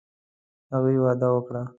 هغې وعده وکړه.